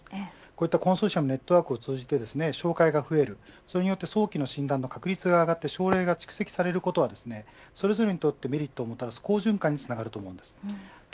こういったコンソーシアムのネットワークを通じて照会が増えると早期の診断の確率が上がって症例が蓄積されることはそれぞれにとってメリットをもたらす好循環になります。